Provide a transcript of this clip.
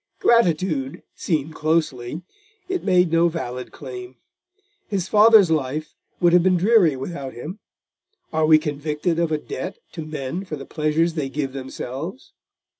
Gratitude! seen closely, it made no valid claim: his father's life would have been dreary without him: are we convicted of a debt to men for the pleasures they give themselves?